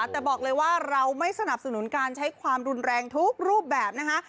แต่บอกเลยว่าเราไม่สนับสนุนการใช้ความรุนแรงทุกรูปแบบนะคะ